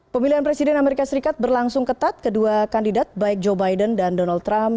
pemilihan presiden amerika serikat berlangsung ketat kedua kandidat baik joe biden dan donald trump